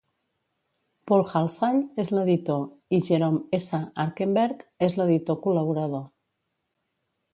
Paul Halsall és l'editor, i Jerome S. Arkenberg és l'editor col·laborador.